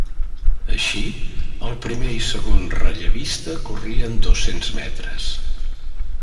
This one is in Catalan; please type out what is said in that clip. Així, el primer i segon rellevista corrien dos-cents metres.